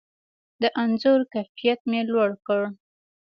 د انځور کیفیت مې لوړ کړ.